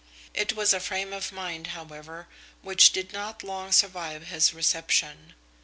It was a frame of mind, however, which did not long survive his reception.